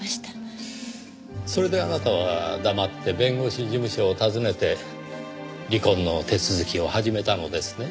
それであなたは黙って弁護士事務所を訪ねて離婚の手続きを始めたのですね？